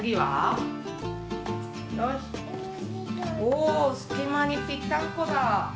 おすきまにぴったんこだ。